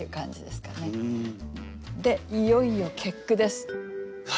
でいよいよ結句です。